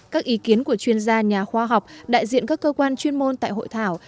các ý kiến của chuyên gia nhà khoa học đại diện các cơ quan chuyên môn tại hội thảo